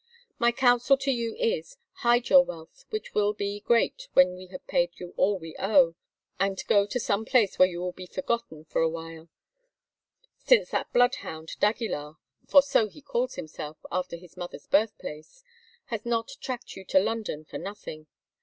My counsel to you is—hide your wealth, which will be great when we have paid you all we owe, and go to some place where you will be forgotten for a while, since that bloodhound d'Aguilar, for so he calls himself, after his mother's birthplace, has not tracked you to London for nothing.